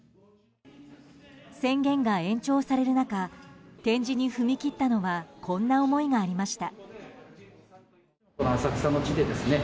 宣言が延長される中展示に踏み切ったのはこんな思いがありました。